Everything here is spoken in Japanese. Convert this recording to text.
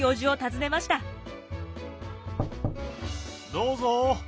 どうぞ。